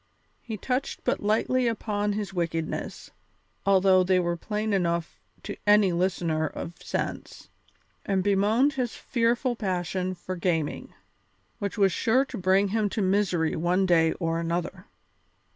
He touched but lightly upon his wickednesses, although they were plain enough to any listener of sense, and bemoaned his fearful passion for gaming, which was sure to bring him to misery one day or another.